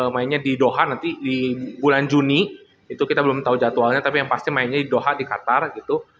mainnya di doha nanti di bulan juni itu kita belum tahu jadwalnya tapi yang pasti mainnya di doha di qatar gitu